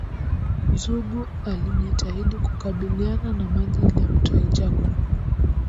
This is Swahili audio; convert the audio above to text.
Zugu alijitahidi kukabiliana na maji ili amtoe Jacob